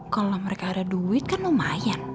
kalau mereka ada duit kan lumayan